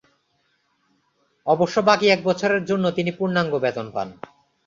অবশ্য বাকী এক বছরের জন্য তিনি পূর্ণাঙ্গ বেতন পান।